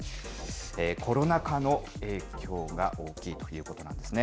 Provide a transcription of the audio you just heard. コロナ禍の影響が大きいということなんですね。